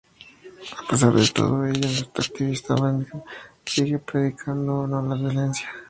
A pesar de todo ello, este activista pakistaní sigue predicando la no violencia.